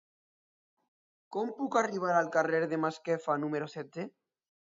Com puc arribar al carrer de Masquefa número setze?